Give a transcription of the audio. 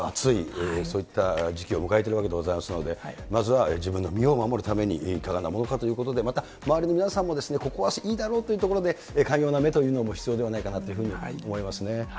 本当に特にことしは暑い、そういった時期を迎えているわけでございますので、まずは自分の身を守るためにいかがなものかということで、ここはいいだろうというところで、寛容な目というのも必要ではないかなというふうに思いますね。